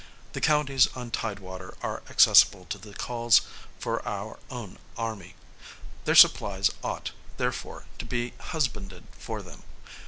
The counties on tide water are accessible to the calls for our own army. Their supplies ought, therefore, to be husbanded for them.